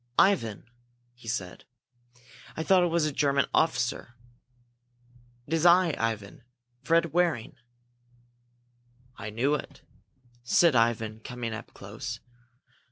"Ivan!" he said. "I thought it was a German officer! It is I, Ivan Fred Waring!" "I knew it," said Ivan, coming up close.